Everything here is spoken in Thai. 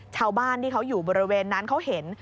ชาวบ้านที่เขาอยู่บริเวณนั้นเขาเห็น